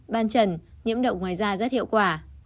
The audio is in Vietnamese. ban trần nhiễm động ngoài da rất hiệu quả